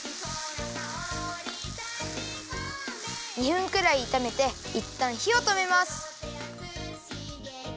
２分くらいいためていったんひをとめます。